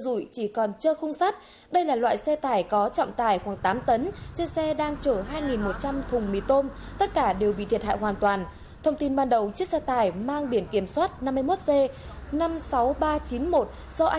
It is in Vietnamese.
xin chào và hẹn gặp lại các bạn trong những video tiếp theo